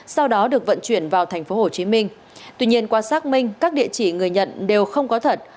sau đó được vận chuyển vào tp hcm tuy nhiên qua xác minh các địa chỉ người nhận đều không có thật